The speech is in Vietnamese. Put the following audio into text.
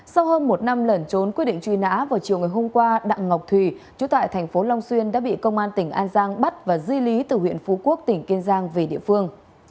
sau hơn một năm lẩn trốn quyết định truy nã vào chiều ngày hôm qua đặng ngọc thùy chú tại thành phố long xuyên đã bị công an tỉnh an giang bắt và di lý từ huyện phú quốc tỉnh kiên giang về địa phương